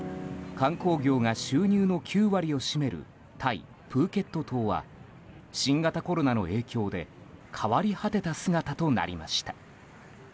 観光業が収入の９割を占めるタイ・プーケット島は新型コロナの影響で変わり果てた姿となりました。